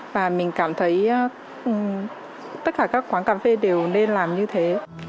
và mình cảm thấy tất cả các quán cà phê đều nên làm như thế